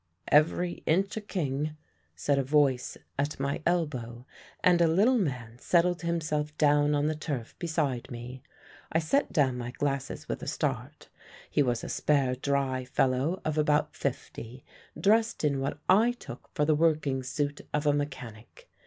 "Every inch a king," said a voice at my elbow, and a little man settled himself down on the turf beside me. I set down my glasses with a start. He was a spare dry fellow of about fifty, dressed in what I took for the working suit of a mechanic.